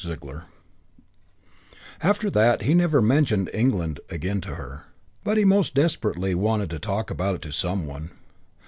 II After that he never mentioned "England" again to her. But he most desperately wanted to talk about it to some one.